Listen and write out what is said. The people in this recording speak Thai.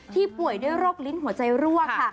ป่วยด้วยโรคลิ้นหัวใจรั่วค่ะ